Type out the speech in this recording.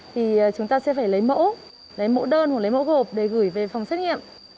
thì chúng ta sẽ phải lấy mẫu lấy mẫu đơn hoặc lấy mẫu gộp để gửi về phòng xét nghiệm